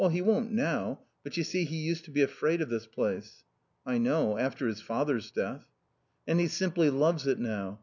"He won't now. But, you see, he used to be afraid of this place." "I know. After his father's death." "And he simply loves it now.